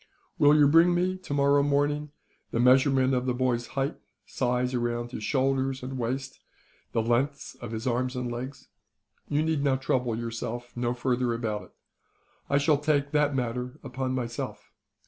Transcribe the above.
Will you bring me, tomorrow morning, the measurement of the boy's height, size around his shoulders and waist, the lengths of his arms and legs? You need trouble yourself no further about it. I shall take that matter upon myself.